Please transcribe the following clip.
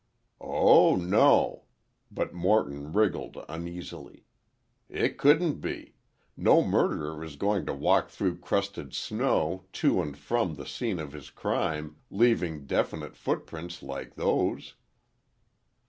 "Oh, no," but Morton wriggled uneasily. "It couldn't be. No murderer is going to walk through crusted snow, to and from the scene of his crime, leaving definite footprints like those!"